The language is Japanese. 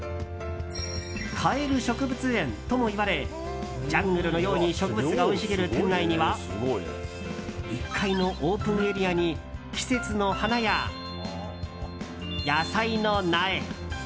買える植物園ともいわれジャングルのように植物が生い茂る店内には１階のオープンエリアに季節の花や野菜の苗。